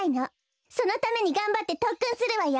そのためにがんばってとっくんするわよ！